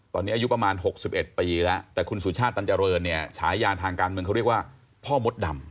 ตอนนี้อายุประมาณ๖๑ปีแล้วแต่คุณสุชาติตันเจริญเนี่ยฉายาทางการเมืองเขาเรียกว่าพ่อมดดำ